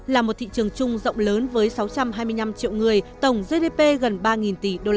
là một thị trường chung rộng lớn với sáu trăm hai mươi năm triệu người tổng gdp gần ba tỷ usd